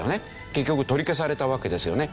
結局取り消されたわけですよね。